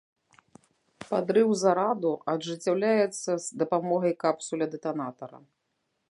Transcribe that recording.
Падрыў зараду ажыццяўляецца з дапамогай капсуля-дэтанатара.